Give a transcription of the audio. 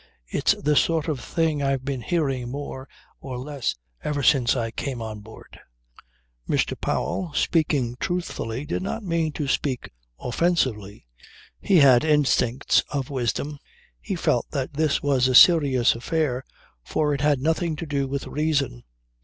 It's the sort of thing I've been hearing more or less ever since I came on board." Mr. Powell, speaking truthfully, did not mean to speak offensively. He had instincts of wisdom; he felt that this was a serious affair, for it had nothing to do with reason.